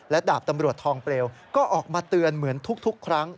ดาบตำรวจทองเปลวก็ออกมาเตือนเหมือนทุกครั้ง